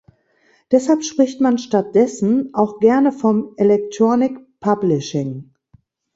Deshalb spricht man stattdessen auch gerne vom "Electronic Publishing".